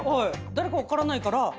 誰か分からないから。